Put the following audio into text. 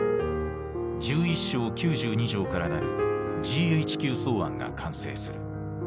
１１章９２条から成るＧＨＱ草案が完成する。